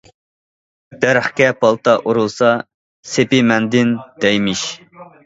دەرەخكە پالتا ئۇرۇلسا« سېپى مەندىن» دەيمىش.